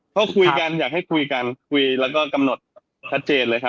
เขาคุยกันอยากให้คุยกันคุยแล้วก็กำหนดชัดเจนเลยครับ